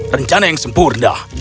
rencana yang sempurna